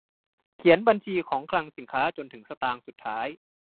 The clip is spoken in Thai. เขียนบัญชีของคลังสินค้าจนถึงสตางค์สุดท้าย